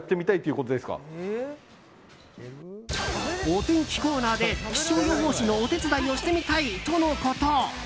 お天気コーナーで気象予報士のお手伝いをしてみたい！とのこと。